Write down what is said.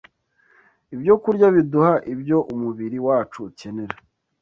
Ibyokurya biduha ibyo umubiri wacu ukenera.